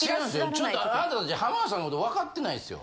ちょっとあなた達浜田さんの事わかってないですよ。